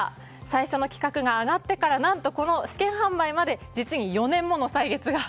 最初の企画が上がってから何と、試験販売まで実に４年もの歳月が。